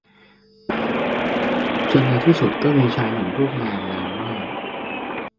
จนในที่สุดก็มีชายหนุ่มรูปงามนามว่า